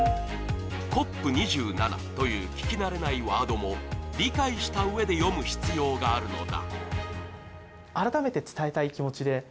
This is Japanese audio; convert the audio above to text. ＣＯＰ２７という聞き慣れないワードも理解したうえで読む必要があるのだ。